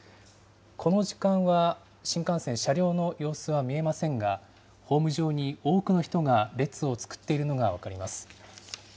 この時間は、新幹線、車両の様子は見えませんが、ホーム上に多くの人が列を作っているのが分かります。